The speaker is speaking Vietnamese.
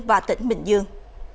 và tỉnh bình dương